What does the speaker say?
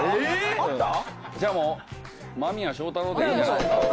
じゃあもう間宮祥太朗でいいんじゃないですか。